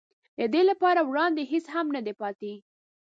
د ده لپاره وړاندې هېڅ هم نه دي پاتې.